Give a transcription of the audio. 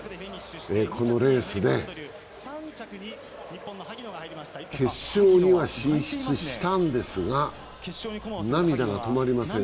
このレースで決勝には進出したんですが涙が止まりません。